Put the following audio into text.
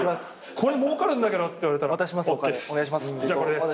これもうかるんだけどって言われたら「ＯＫっす。